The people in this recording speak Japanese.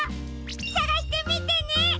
さがしてみてね！